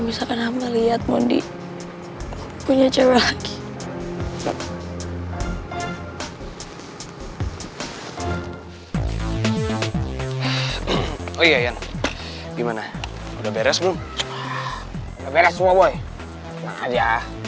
aku akan amal lihat mondi punya cewek lagi oh iya gimana udah beres belum beres semua boy aja